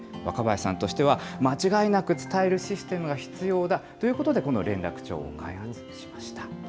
若林さんとしては、間違いなく伝えるシステムが必要だということで、この連絡帳を開発しました。